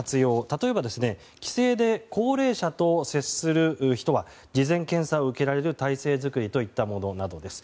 例えば帰省で高齢者と接する人は事前検査を受けられる体制作りといったものなどです。